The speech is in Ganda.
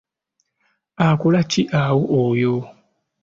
Akola ki awo oyo?